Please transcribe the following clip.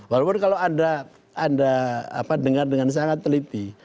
walaupun kalau anda dengar dengan sangat teliti